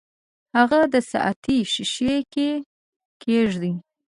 هغه د ساعتي ښيښې کې کیږدئ.